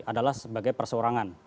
adalah sebagai persorangan